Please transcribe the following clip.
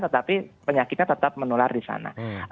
tetapi penyakitnya tetap menular di sana